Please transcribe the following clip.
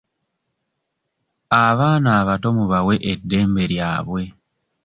Abaana abato mubawe eddembe lyabwe.